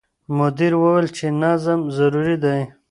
مدیر وویل چې نظم ضروري دی.